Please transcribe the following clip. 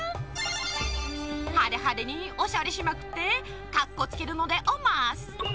ハデハデにおしゃれしまくってかっこつけるのでオマス！